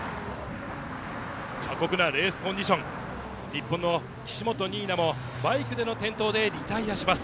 過酷なレースコンディション、日本の岸本新菜もバイクでの転倒でリタイアします。